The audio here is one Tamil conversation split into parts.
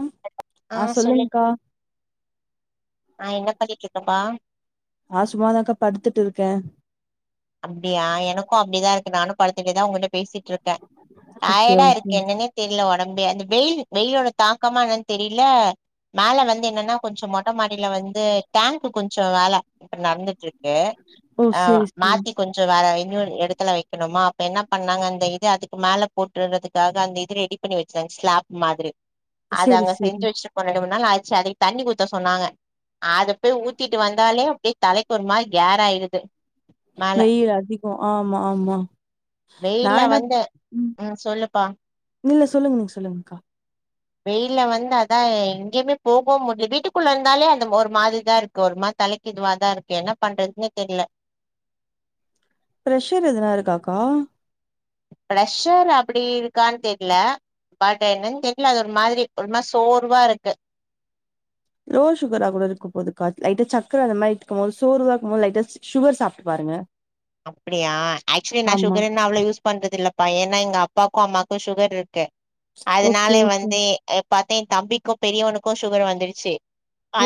ம் ஆ சொல்லுங்க்கா ஆ என்ன பண்ணிட்டு இருக்கப்பா நா சும்மாதாக்கா படுத்துட்டு இருக்கே அப்டியா எனக்கு அப்டிதா இருக்கு நானு படுத்துட்டேதா உங்ககிட்ட பேசி ட்ருக்கே ஓகே டயர்டா ஓகே இருக்கு என்னன்னே தெரில ஒடம் அ அந்த வெயில் வெயிலோட தாக்கமா என்னன்னு தெரில மேல வந்து என்னனா கொஞ்சோ மொட்ட மாடில வந்து டேங்க்கு கொஞ்சோ வேல இப்ப நடந்துட்டு இருக்கு ஓ ஆ செரி மாத்தி கொஞ்சோ அத இன்னொரு எடத்துல வெக்கணுமா அப்ப என்ன பண்ணாங்க அந்த இது அதுக்கு மேல போட்டு விடறதுக்காக அந்த இது ரெடி பண்ணி வெச்சா ஸ்லாப் மாதிரி அது சேரி அங்க சேரி செஞ்சு வெச்சிட்டு போன எடோ வந்து ம்ப நாளாச்சு அதுக்கு தண்ணி ஊத்த சொன்னாங்க அத போய் ஊத்திட்டு வந்தாலே அப்டியே தலைக்கு ஒருமாரி கேர்ராயிடுது வெயில் அதிகோ ஆமா ஆமா நா வெயில என்ன வந்த ம் சொல்லுப்பா இல்ல சொல்லுங்க நீங்க சொல்லுங்க்கா வெயில வந்து அதா எங்கேயுமே போகோ முடி வீட்டுக்குள்ள இந்தாலே அந்த ஒரு மாரிதா இருக்கு ஒரு மா தலைக்கு இதுவாதா இருக்கு என்ன பண்றதுனே தெரில பிரெஷர் எதுனா இருக்காக்கா பிரெஷர் அப்டி இருக்கான்னு தெரில பட் என்னன் தெரில அது ஒரு மாரி ஒருமாரி சோர்வா இருக்கு லோ சுகரா கூட இருக்க போதுக்கா லைட்டா சக்கர அந்த மாதிரி எடுத்துக்கும்போது சோருவா இருக்கும்போது லைட்டா சுகர் சாப்ட்டு பாரு ங்க அப்டியா ஆக்சுவலி நா சுகர்ன்ன அவ்ளோ யூஸ் பண்றதில்லப்பா ஏனா எங்க அப்பாக்கு அம்மாக்கு சுகர் இரு க்கு ஓகே அதனாலே ஓகே வந்து பாத்தா என் தம்பிக்கு பெரியவனுக்கு சுகர் வந்துருச்சு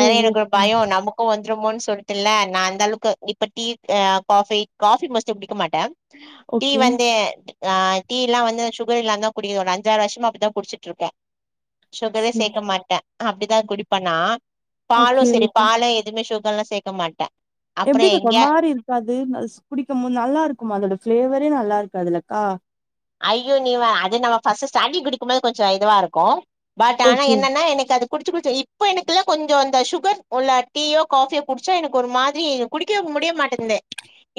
ஓ எனக்கு ஒரு ஓகே பயோ நமக்கு வ வந்துறுமோனு சொல்ட்டுல்ல நான் அந்த அளவுக்கு இப்ப டீ காஃபி காஃபி மோஸ்ட்லி குடிக்க மாட்டே டீ ஓகே வந்து ஆ டீ எல்லா வந்து சுகர் இல்லாந்தா குடிக்கறோ அஞ்சாறு வருஷமா அப்டிதா குடிச்சிட்டு இருக்கே சுகரே சேக்க சேரி மாட்டே அப்டிதா குடிப்ப நா பாலு ஓகே சரி பால்ல எதுமே சு கரெல்லா சேக்க மாட்டே எப்டிக்கா ஒரு மாரி இருக்காது குடிக்கும்போது நல்லா இருக்குமா அதோட ஃபிளேவரே நல்லா இருக்காதில்லக்கா அய்யோ நீ வே அது நம்ம ஃபர்ஸ்ட் ஸ்டாட்டிங் குடிக்கும்போது கொஞ்சோ இதுவா இருக்கு பட் ஆனா ஓகே என்னன்னா எனக்கு அது குடிச்சு குடிச்சு இப்ப எனக்கெல்லா கொஞ்சோ அந்த சுகர் இல்ல டீயோ காஃபியோ குடிச்சா எனக்கு ஒரு மாதிரி குடிக்க முடிய மாட்டங்குது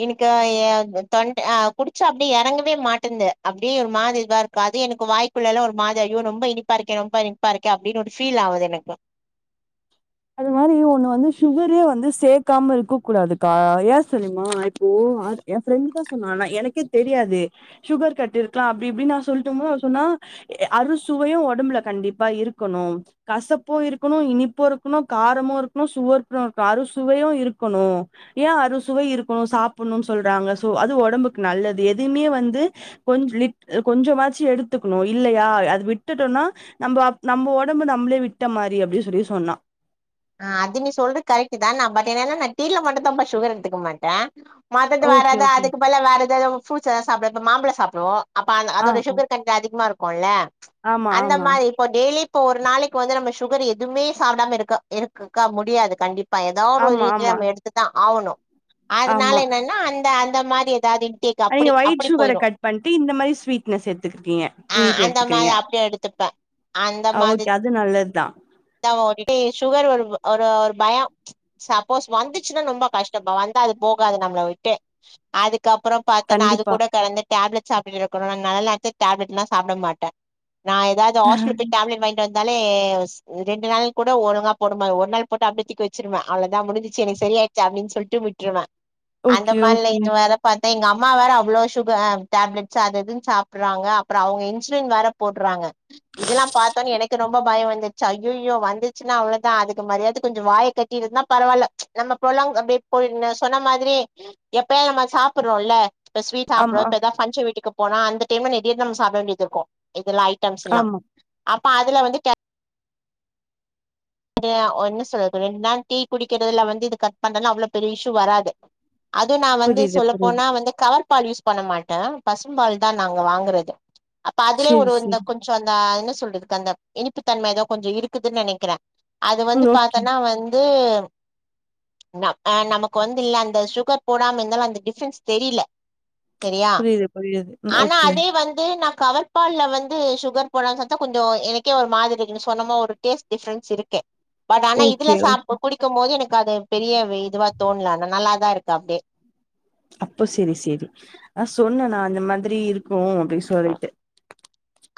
எனக்கு அ தொண்ட குடிச்சா அப்டி எறங்கவே மாட்டந்து அப்டியே ஒரு மாதிரி இதுவா இருக்கு அது எனக்கு வாய்க்குள்ளல்லா ஒரு மாரி அய்யோ ரொம்ப இனிப்பார்க்கே ரொம்ப இனிப்பா இருக்கே அப்டின்னு ஒரு ஃபீல் ஆவுது எனக்கு அது மாரி ஒண்ணு வந்து சுகரே வந்து சேக்காம இருக்க கூடாதுக்கா ஏ தெரியுமா இப்போ ஓ அது என் ஃபிரெண்டுதா சொன்னா ஆனா எனக்கே தெரியாது சுகர் கட்டிருக்கா அப்டி இப்டி நா சொல்ட்டும்போது அவ சொன்னா அறுசுவையு ஒடம்புல கண்டிப்பா இருக்கணு கசப்பு இருக்கணு இனிப்பு இரு ருக்கணு காரமு இருக்கணு சுவர்பு இருக்கணு அறுசுவையு இருக்கணு ஏன் அறுசுவை இருக்கணு சாப் கும்னு சொல்றாங்க சோ அது ஒடம்புக்கு நல்லது எதையுமே வந்து கொஞ் லிட் அ கொஞ்சமாச்சு எடுத்து க்கணு இல்லையா அது விட்டுட்டோனா நம்ப அப் நம்ம ஒடம்பு நம்மளே விட்ட மாரி அப்டின் சொல்லி சொன்னா ஆ அது நீ சொல்றது கரெக்ட்தா நா பட் என்னனா நா டீல மட்டுந்தாம்பா சுகர் எடுத்துக்க மாட்ட மத்தது ஓகே, வேறெதா ஓகே. அதுக்கு பல வேற எதாவ்து உ ஃப்ருட்ஸ் எதாது சாப்ட இப்ப மாம்பழ சாப்டுவோ அப்ப அந்ந ஆ, அதோட ஆ. சுகர் கண்ட் அதிகமா இருக்குல்ல ஆமா, அந்த ஆமா. மாரி இப்போ டெய்லி ப்போ ஒரு நாளைக்கு வந்து நம்ம சுகர் எதுவுமே சாப்டாம இருக்க இருக்கக்க முடியாது கண்டிப் பா எதாவ் ஒரு ஆமா, ரீதியா ஆமா, நம்ம எடுத்துதா ஆவணு அதனால ஆமா. என்னனா அந்த அந்த மாதி தாதின் டீக்கு அப்படி நீங்க ஒயிட் அப்படி சுகர போயிரு கட் பண்ணிட்டு, இந்த மாரி ஸ்வீட்னஸ் எடுத்துக்கிட்டீங்க. ஆ இனிப்பு அந்த மாதி எடுத்துக்கிறீங்க. அப்டி எடுத்துப்ப அ ஓகே அது நல்லதுதா [unintelligible] சுகர் ஒரு ஒ ஒரு ஒரு பயோ சப்போஸ் வந்துச்சுன்னா ரொம்ப கஷ்டம்பா வந் ட்டா அது போகாது நம்மள விட்டு அதுக் கப்பறோ பாத்தன்னா அது கண்டிப்பா. கூட கடந்த டேப்லெட் சாப்ட்டுட்டு இருக்கணு நால நெனச்ச டேப்லட்ல்லா சாப்ட மாட்ட நா எதாவது ஹாஸ்பிடல் போய் டேப்லெட் வாங்கிட்டு வந்தாலே ரெண்டு நாள் கூட ஒழுங்கா போடுமா ஒரு நாள் போட்டு அபபடியே தூக்கி வச்சிருவே அவ்ளோதா முடுஞ்சுச்சு எனக்கு சரியாயிடுச்சு அப்டின் சொல்ட்டு விட்ருவே அந்த ஓகே, மாதிலா ஓகே. இட் வேல பாத் எங்க அம்மா வேற அவ்வளோ சுகர் அ டேப்லட்ஸ் அது இதுன் சாப்படுறாங்க அப்பறொ அவங்க இன்சுலின் வேற போடுறாங்க. கு இதெல்லா பாத்தோன்ன எனக்கு ரொம்ப பயொ வந்து சு ஐயையோ வந்துச்சுன்னா அவ்ளோதா அதுக்கு மரியாத கொஞ்சொ வாய கட்டி இருந்தா பரவால்ல நம்ம பொலங் அப்டி ப்போ இன்ன சொன்ன மாதிரி எப்பயு நம்ம சாப்படுறோல இப்ப ஸ்வீட் சாப்டுறோ ஆமா, இப்ப எதா ஃபங்ஷன் வீட்டுக்கு போனா அந்த டைம்ல நெறைய நம்ப சாப்பிட வேண்டியது இருக்கு இதெல்லா ஐட்டம்ஸ்ல்லா ஆமா. அப்ப அதுல வந்து அது ஒன்னு சொல்றதுக்கு ரெண்டு நாள் டீ குடிக்கிறதுல வந்து இது கட் பண்றதுனா அவ்வளோ பெரிய இஷ்யூ வராது. அதுவ் நா வந்து புரியுது, புரியுது. சொல்லப்போனா வந்து கவர் பால் யூஸ் பண்ண மாட்டே பசும் பால்தா நாங்க வாங்குறது. அப்ப அதுலயு சரி, ஒரு சரி. ந்த கொஞ்சொ அந்த என்ன சொல்றதுக்கு அந்த இனிப்பு தன்மைதா கொஞ்சொ இருக்குதுன் நெனைக்கிற அது வந்து ம். ஓகே. பாத்தன்னா வந்து ந அ நமக்கு வந்து இல்ல அந்த சுகர் போடாம இருந்தாலு அந்த டிஃப்ரென்ஸ் தெரியல சரியா புரியுது, புரியுது. ம். ஆனா ஓகே. அதே வந்து ந கவர் பால்ல வந்து சுகர் போடாம சாப்டா கொஞ்சொ எனக்கே ஒரு மாதிருக்கு நீங் சொன்னமா ஒரு டேஸ்ட் டிஃப்ரெண்ட் ஸிருக்கு பட் ஆனா இதுல ஓகே. சா ஓ போ குடிக்கும் போது எனக் கது பெரிய வெ இதுவா தோணல ஆனா நல்லாதா இருக்கு அப்டியே அப்போ செரி செரி அ சொன்னே நா அந்த மாதிரி இருக்கு அப்டின் சொல்லிட்டு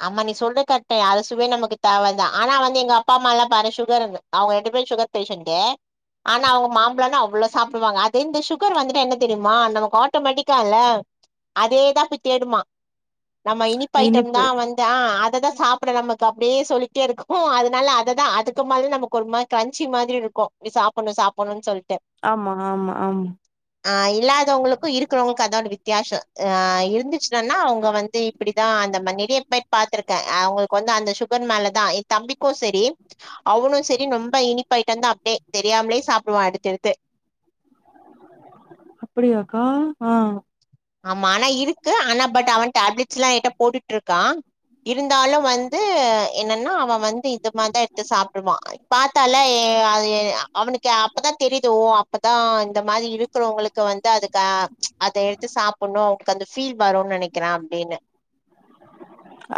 அமா நீ சொல்றது கரெக்ட்டு அறு சுவை நமக்கு தேவதா ஆனா வந்து எங்க அப்பா அம்மால்லா பாரு சுகர் இருகு அவங்க எடுத் வே சுகர் பேஷண்ட்டு ஆனா அவங்க மாம்பழனா அவ்வளோ சாப்புடுவாங்க அது இந்த சுகர் வந்துட்டு என்ன தெரியுமா நமக்கு ஆட்டோமேட்டிக்கால்ல அதேதா போய் தேடுமா நம்ம இனிப்பு ஐட்டம் சோ வந்து அ அததா சாப்புட நமக்கு அப்டியே சொல்லிக்ட்டே இருக்கு அதனால அததா அதுக்கு மேல நமக்கு ஒரு மார் கஞ்சி மாதிரி இருக்கு ப்டி சாப்படணு சாப்படணுனு சொல் டு ஆமா, ஆமா, ஆமா. ஆ இல்லாதவங்களுக்கு இருக் க்கிறவங்களுக்கு அதா வித்தியாசோ அ இருந்துச்சுனன்னா அவங்க வந்து இப்படிதா அந்த மன்னி னிய போய் பாத்திருக்க அவங்களுக்கு வந்து அந்த சுகர் மேலதா எ தம்பிக்கு சரி அவனு சரி ரொம் ம்ப இனிப் ஐட்டம்ந்தா அப்டே தெரியாமலே சாப்புடுவா எடுத்து எடுத்து அப்டியாக்கா ஆ ஆமா ஆனா இருக்கு ஆனா பட் அவன் டேப்லெட்ஸ்ல்லா ஏட்ட போட்டுட்டுருக்கா இருந்தாலு வந்து என்னன்னா அவ வந்து இதுமாதா எடுத்து சாப்புடுவா பாத்தாலே கே அது அவனுக்கு அப்பத்தா தெரியுது ஓ அப்பத்தா இந்த மாதி இருக்கிறவங்களுக்கு வந்து அதுக்கு அது த்து சாப்படுணு அவங்களுக்கு அந்த ஃபீல் வருனு நெனைக்கிறே அப்டின்னு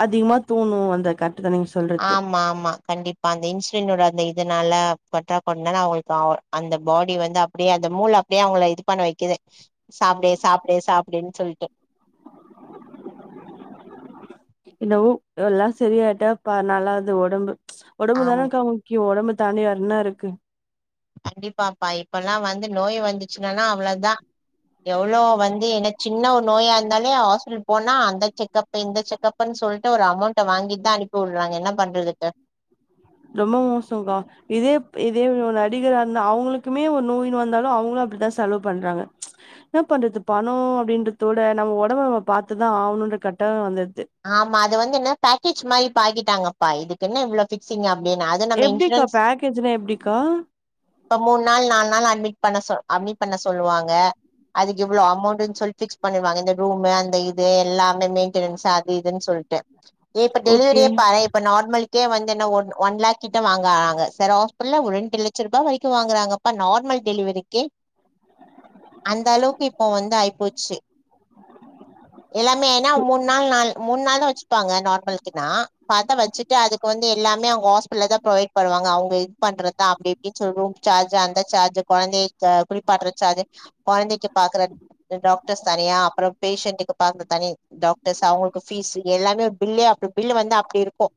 அதிகமா தூணும் அந்த கரெக்ட்டு தான் நீங்க சொல்றது. ஆமா ஆமா கண்டிப் பா அந்த இன்சுலினோட அந்த இதனால பத்தா பண்ணனா அவங்ளுக்கு அந்த பாடி வந்து அப்டியே அந்த மூள அப்டியே அவுங்கள இது பண்ண வெக்கிது சாப்டு சாப்டு சாப்டுன் சொல்ட்டு இந்த ஊ எல்லா செரியாய்ட்டா ப்ப நல்லது ஒடம்பு ஒடம்பு ஆமா. தானக்கா முக்கியோ ஒடம்ப தாண்டி வேறின்னருக்கு கண்டிப்பாப்பா இப்பல்லா வந்து நோய் வந்துச்சுனான்னா அவ்ளோதா எவ்ளோ வந்து என்ன சின்ன ஒரு நோயாருந்தாலே ஹாஸ்பிடில் போனா அந்த செக்கப்பு இந்த செக்கப்புன் சொல்ட்டு ஒரு அமௌண்ட வாங்கிட் தா அனுப்பி வுட்றாங்க என்ன பண்றதுக்கு ரொம்போ மோசம்கா இதே ப் இதே ஒர் நடிகரா இர்ந்தா அவுங்களுக்குமே ஒரு நோயின்னு வந்தாலு அவுங்களு அப்பிடித்தா செலவு பண்றாங்க என்ன பண்றது பணோ அப்டின்றதோட நம்ம ஒடம்ப நம்ம பாத்துதா ஆவுணு ன்ற கட்டாயோ வந்து ஆமா அது வந்து என்ன பேக்கேஜ் மாரி இப்ப ஆக்கிட்டாங்க பா இதுக்குன்னு இவ்ளோ ஃபிக்சிங்கு அ அப்டின் அது நம்ப எப்டிக்கா இன்சூரன்ஸ் பேக்கேஜ்னா எப்டிக்கா இப்ப மூண் நாள் நால் நாள் அட்மிட் பண்ண சொ அட்மிட் பண்ண சொல்லுவாங்க அதுக்கு இவ்ளோ அமௌண்டுன் சொல் ஃபிக்ஸ் பண்ணிருவாங்க இந்த ரூமு அந்த இது எல்லாமே மெயின்டனன்ஸு அ இதுன் சொல்ட்டு ஏ இப்ப ஓகே டெலிவரியே பாரே இப்ப நார்மல் க்கு வந்து என்ன ஒன் ஒன் லேக் கிட்ட வாங்கராங்க செல ஹாஸ்பில்லா ஒ ரெண்டு லட்ச ரூபா வரைக்கு வாங்கறாங்க பா நார்மல் டெலிவரிக்கு அந்த அளவுக்கு இப்போ வந்து ஆய் போச்சு எல்லாமேனா மூண் நாள் நால் மூண் நாள் தா வெச்சுப்பாங்க நார்மலுக்கின்னா பாத்தா வச்சுட்டு அதுக்கு வந்து எல்லாமே அவுங்க ஹாஸ்பில்ல தா ப்ரொவைட் பன்னுவா அங்க அவுங்க இது பண்றத்தா அப்டி ப்டின் சொல்வோங் சார்ஜு அந்த சார்ஜு கொழந்திய க குளிப்பாட்ற சார்ஜு கொழந்திக்கு பாக்கற து டாக்டர்ஸ் தனியா அப்பறோ பேஷண்டுக்கு பாக்க தனி டாக்டர்ஸ் அவுங்க கு ஃபீஸு எல்லாமே பில்லே அப்டி பில்லு வந்து அப்டி இருக்கு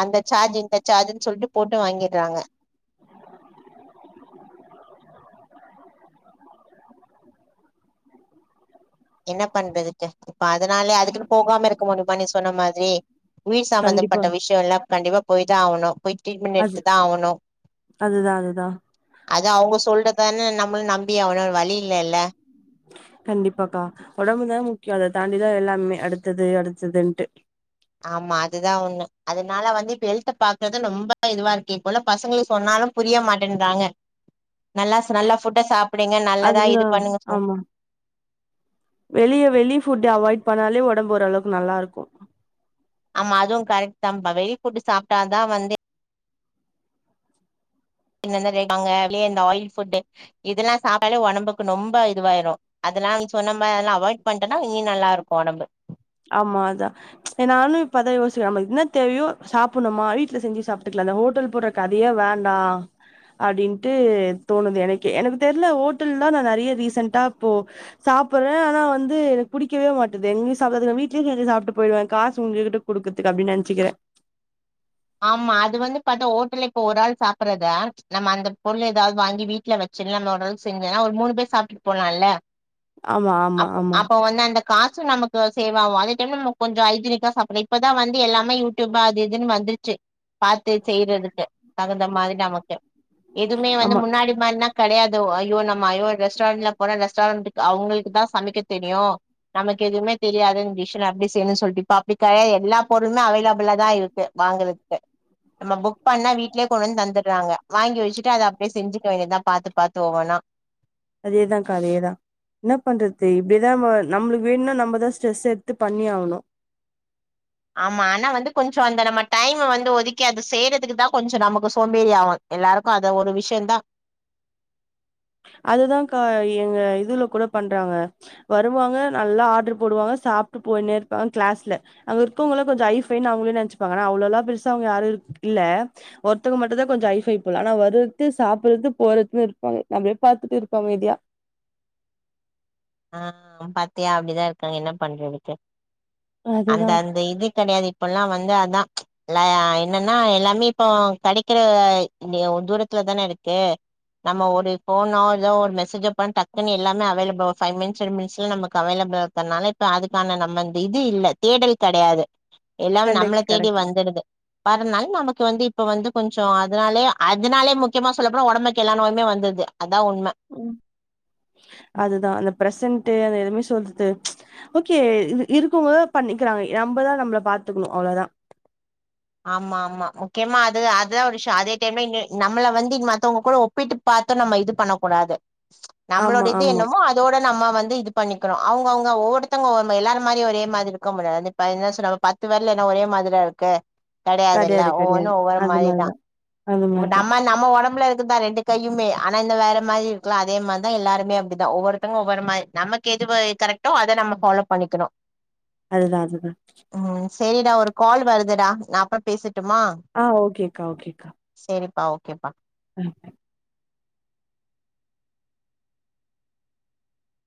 அந்த சார்ஜு இந்த சார்ஜுன் சொல்ட்டு போட்டு வா ங்கிறாங்க என்ன பண்றதுக்கு இப்ப அதனாலே அதுக்குனு போகாம இருக்க முடிமா நீ சொன்ன மாத்ரி உயிர் கண்டிப்பா சம்பந்தப்பட்ட விஷ்யல்லா கண்டிப்பா போய்தா ஆவுணு போய் ட்ரீட்மென் அது எடுத்துதா ஆவுணு அதுதா அதுதா அது அவுங்க சொல்றத் தான நம்புள் நம்பியாவனு வழி இல்லல்ல கண்டிப்பாக்கா ஒடம்பு தா முக்யோ அத தாண்டிதா எல்லாமே அடுத்தது அடுத்ததுன்ட்டு ஆமா அதுதா உண்ம அதுனால வந்து இப்ப ஹெல்த்த பாக்குற்த ரொம்ப இதுவா இருக்கு இப்பொல்லா பசங்களே சொன்னா புரிய மாட்டேன்றாங்க நல்லா ச நல்லா ஃபுட்ட சாப் புடுங்க நல்லதா இது அதுதா பண்ணுங்க சொ ஆமா வெளிய வெளி ஃபுட்டு அவாய்ட் பண்ணாலே ஒடம்பு ஒரு அளவுக்கு நல்லாருக்கு ஆமா அதுவு கரெக்ட் தாம்பா வெளி ஃபுட்டு சாப்ட்டாதா வந்து இந்தந்த ரே அங்க வெளிய இந்த ஆயில் ஃபுட்டு இதெல்லா சாப்டாலே ஒடம்புக்கு நொம்ப இதுவாயிரு அது இதெல்லா நீ சொன்ன மாரிலா அவாய் பண்டனா இனி நல்லாருக்கு ஒடம்பு ஆமா அதா நானு இப்ப அதா யோசிக்ற நம்ப இன்ன தேவையோ சாப்புண்ணுமா வீட்ல செஞ்சி சாப்ட்டுக்லா அந்த ஓட்டல் போற கதையே வேண்டா அப்டின்ட்டு தோணுது எனக்கே எனக்கு தெர்ல ஓட்டல்லா நா நெறியா ரீசென்டா இப்போ சா சாப்புற்றே ஆனா வந்து புடிக்கவே மாட்டுது எங்க்யு சாப்புறதுக்கு வீட்ல்யே செஞ்சி சாப்ட்டு போய்டுவே காசு உங்ககிட்ட குடுக்கற்துக்கு அப்டின் நென்ச்சிக்கிறே ஆமா அது வந்து பாத்தா ஓட்டல்ல இப்போ ஒரு ஆள் சாப்புற்றத நம்ம அந்த பொருள் எதாவ்த் வாங்கி வீட்ல வச் சின்ன நூடுல்ஸ் செஞ்சனா ஒரு மூணு பேர் சாப்ட்டுட் போலால்ல ஆமா ஆமா அப் ஆமா அப்ப வந்து அந்த காசு நமக்கு சேவ் ஆவு அதே டைம் நம்ம கொஞ்சோ ஐஜீனிக்கா சாப்புற இப்பதா வந்து எல்லாமே யூடியூப அது இதுன் வந்துரு ச்சு பாத்து செய்றதுக்கு தகுந்த மாரி நமக்கு எதுமே வந்து ஆமா முன்னாடி மார்லா கடயாது ஒ ஐயோ நம்ம ஐயோ ரெஸ்டாரெண்ட்ல போனா ரெஸ்டாரன்ட்டுக்கு அவுங்களுக்கு தா சமைக்க தெரியு நமக்கு எதுவுமே தெரியாது இந் டிஷ்ஷில்லா எப்டி செய்யணுன் சொல்ட்டு இப்ப அப்டி கெடயா எல்லா பொருளுமே அவைலபுளா தா இருக்கு வாங்குறத் க்கு நம்ம புக் பண்ணா வீட்லே கொண்டு வந் தந்துட்றாங்க வாங்கி வெச்சுட்டு அத அப்டே செஞ்சுக்க வேண்டியதா பாத்து பாத்து ஒவ்வொன்னா அதேதாக்கா அதேதா என்ன பண்றது இப்படிதா நம்மளுக்கு வேணும்னா நம்மதா ஸ்ட்ரெஸ் எடுத்து பண்ணியாவணு [inaudible] ஆமா ஆனா வந்து கொஞ்ச அந்த நம்ம டைமை வந்து ஒதுக்கி அதை செய்யறதுக்கு தா கொஞ்ச நமக்கு சோம்பேறி ஆகு எல்லாருக்கு அத ஒரு விஷய தா. அதுதா க்கா எங்க இதுல கூட பண்றாங்க வருவாங்க நல்லா ஆட்ர் போடுவாங்க. சாப்ட்டு போயின்னே இரு கிளாஸ்ல அங்க இருக்கவ கொஞ்ச ஐஃபைனு அவங்களே நினைச்சுப்பாங்க ஆனா அவங்களா பேரிசா அவங்க யாரு. இல்ல ஒருத்தங்க மட்டு தா கொஞ்ச ஐஃபை போல ஆனா வருறது சாப்டுறது போறதுன்னு இருப்பாங்க. நம்மளே பாத்துட்டு இருகா அமைதியா. ஆ பாத்தியா அப்டிதா இருக்காங்க என்ன பண்ரதுக்கு. அந்த அதுதா அந்த இது கிடையாது இப்பெல்லா வந்து அ அதான் என்னன்னா எல்லாமே இப்போ கடைக்கிற தூரத்துல தானே இரு. க்கு ஓ நம்ம ஒரு போனோ இல்ல எதோ ஒரு மெசேஜோ பண்ண டக்குன்னு எல்லாமே available five minutes ten minutes ல்ல நமக்கு அவைலபிள் இருக்கிறதுனால இப்ப அதுக்கான நம்ம இது இல்ல தேடல் கடையாது. எல்லாம் நம்மளை கண்டக்ட் தேடி கரெக்ட் வந்துடுது பறனால நமக்கு வந்து. இப்ப வந்து கொஞ்ச அதனாலே அதனாலே முக்கியமா சொல்லப் போன உடம்புக்கு எல்லா நோயுமே வந்தது. ம் அதுதான் அந் பிரசன்ட்டு அது எதுவுே சொல்து ஓகே இருக்குபோது பண்ணிக்கிறாங்க நம்மதா நம்ம பா பாத்துக்கணு அவ்ளோதா [inaudible] ஆமா ஆமா முக்கியமா அது அதா ஒரு விஷய அதே டைம நம்மள வந்து மத்தவங்க கூட ஒப்பிட்டு பா. [unintelligible] நம்ம இது பண்ணக்கூடாது நம்மளோட ஆமா இது ஆமா என்னமோ அதோட நம்ம வந்து இது பண்ணிக்க. [unintelligible] அவங்க அவங்க ஒவ்வொருத்தங்க எல்லாரு மாரி ஒரே மார இருக்க முடியாது [unintelligible] பத்து விரலும்ன்ன ஒரே மாரியா இரு. இருக்கு கடையாதுல்ல கெடையாது ஒவ்வொன்னு கெடையாது ஒவ்வொரு அது மாரிதா அது மாரிதா நம்ம நம்ம உடம்புல இரு. தான் ரெண்டு கையுமே ஆனா இந்த வேற மாதிர இருக்கு லா அதே மாதிதான் எல்லாருமே அப்படிதான் ஒவ்வொருத்தங்க ஒ்வொருமாறி நமக்கு. இதுபோய் கரெக்டோ அத நம்ம ஃபாலோ பண்ணிக்கணு அதுதா அதுதா. சரிடா ஒரு கால் வருதுடா நா அப்புற பேசிட். ஆ ஓகேக்கா ஓகேக்கா. ஆ ஓகேப்பா. கரெக்ட்டு